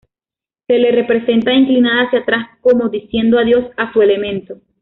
Se le representa inclinada hacia atrás como diciendo adiós a su elemento.